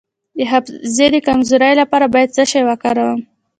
د حافظې د کمزوری لپاره باید څه شی وکاروم؟